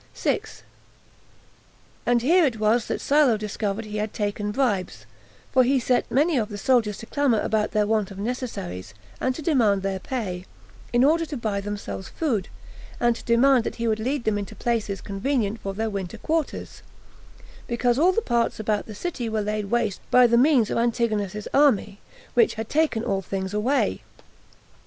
6. And here it was that Silo discovered he had taken bribes; for he set many of the soldiers to clamor about their want of necessaries, and to require their pay, in order to buy themselves food, and to demand that he would lead them into places convenient for their winter quarters; because all the parts about the city were laid waste by the means of Antigonus's army, which had taken all things away.